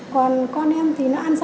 còn con em thì nó ăn sơ